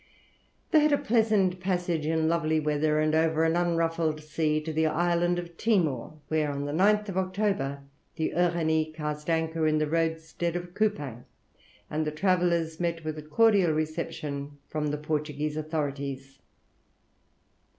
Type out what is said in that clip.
They had a pleasant passage in lovely weather, and over an unruffled sea, to the island of Timor, where on the 9th October the Uranie cast anchor in the roadstead of Coupang, and the travellers met with a cordial reception from the Portuguese authorities.